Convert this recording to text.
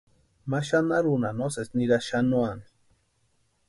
Ma xanharunha no sési nirasti xanuani.